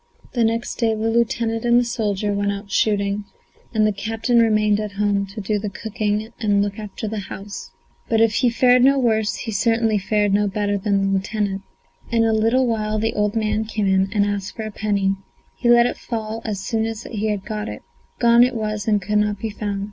The next day the lieutenant and the soldier went out shooting and the captain remained at home to do the cooking and look after the house. But if he fared no worse, he certainly fared no better than the lieutenant. In a little while the old man came in and asked for a penny. He let it fall as soon as he got it; gone it was and could not be found.